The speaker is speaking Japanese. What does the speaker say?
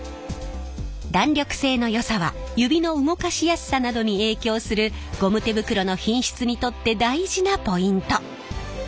弾力性のよさは指の動かしやすさなどに影響するゴム手袋の品質にとって大事なポイント。